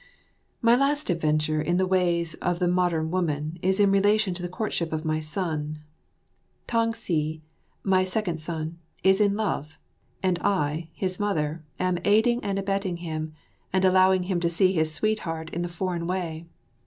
My last adventure in the ways or the modern woman is in relation to the courtship of my son. Tang si, my second son, is in love; and I, his mother, am aiding and abetting him, and allowing him to see his sweet heart in the foreign way.